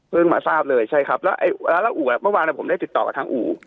เพิ่งมาทราบเลยใช่ครับแล้วอู๋อ่ะเมื่อวานเนี่ยผมได้ติดต่อกับทางอู๋